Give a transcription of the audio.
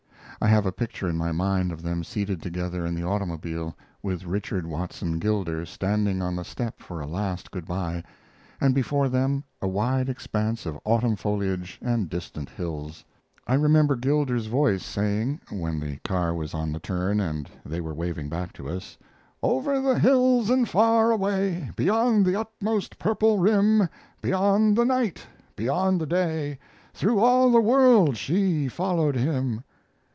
I have a picture in my mind of them seated together in the automobile, with Richard Watson Gilder standing on the step for a last good by, and before them a wide expanse of autumn foliage and distant hills. I remember Gilder's voice saying, when the car was on the turn, and they were waving back to us: "Over the hills and far away, Beyond the utmost purple rim, Beyond the night, beyond the day, Through all the world she followed him."